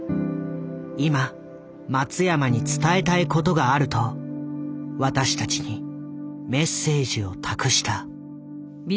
今松山に伝えたいことがあると私たちにメッセージを託した。